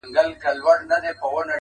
د نغري غاړو ته هواري دوې کمبلي زړې!.